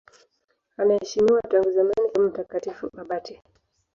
Anaheshimiwa tangu zamani kama mtakatifu abati.